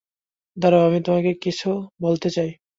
দাড়াও, আমি তোমাকে কিছু বলতে চাই।